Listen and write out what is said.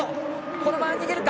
このまま逃げるか？